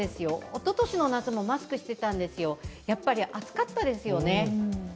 おととしの夏もマスクしてたんですよ、やっぱり暑かったですよね。